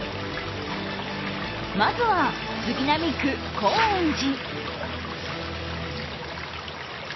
まずは杉並区高円寺。